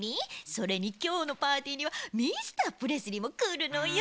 それにきょうのパーティーにはミスタープレスリーもくるのよ。